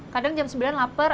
kadang jam sembilan lapar